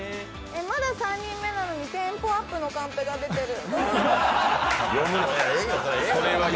まだ３人目なのにテンポアップのカンペが出てる。